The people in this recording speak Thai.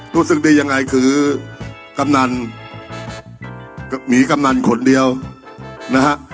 รู้สึกได้ยังไงคือกำนันมีกำนันคนเดียวนะฮะ